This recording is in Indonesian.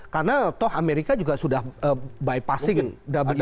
karena toh amerika juga sudah bypassing wto